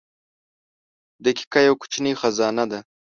• دقیقه یوه کوچنۍ خزانه ده.